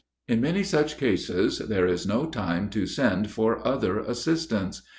In many such cases, there is no time to send for other assistance.